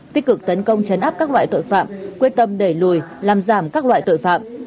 tích cực tấn công chấn áp các loại tội phạm quyết tâm đẩy lùi làm giảm các loại tội phạm